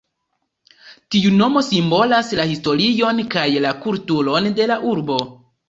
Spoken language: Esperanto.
Tiu nomo simbolas la historion kaj la kulturon de la urbo.